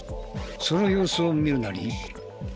その様子を見るなり。